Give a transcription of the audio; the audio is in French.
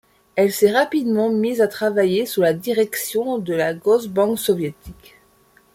Elle s'est rapidement mise à travailler sous la direction de la Gosbank soviétique.